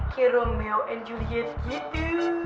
kayak romeo and juliet gitu